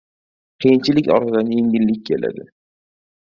• Qiyinchilik ortidan yengillik keladi.